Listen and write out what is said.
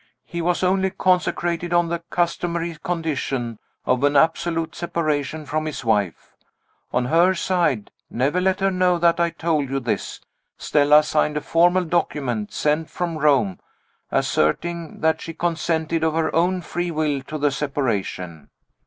He was only consecrated on the customary condition of an absolute separation from his wife. On her side never let her know that I told you this Stella signed a formal document, sent from Rome, asserting that she consented of her own free will to the separation.